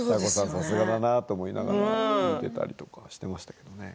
さすがだなと思いながら見ていたりしました。